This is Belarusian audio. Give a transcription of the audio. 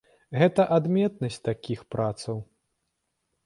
Гэта адметнасць такіх працаў.